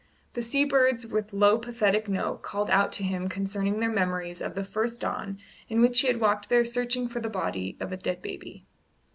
The sea birds with low pathetic note called out to him concerning their memories of the first dawn in which he had walked there searching for the body of the dead baby.